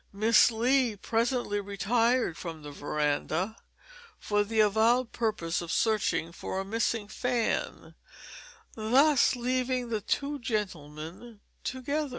Miss Lee presently retired from the veranda for the avowed purpose of searching for a missing fan, thus leaving the two gentlemen together.